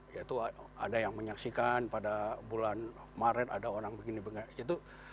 yaitu ada yang menyaksikan pada bulan maret ada orang begini begini gitu